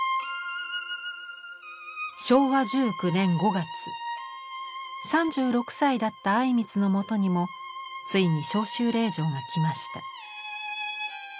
昭和１９年５月３６歳だった靉光のもとにもついに召集令状が来ました。